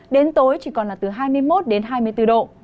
đến tối chỉ còn là từ hai mươi một đến hai mươi bốn độ